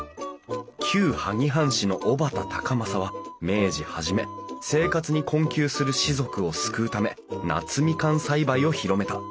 旧萩藩士の小幡高政は明治初め生活に困窮する士族を救うため夏みかん栽培を広めた。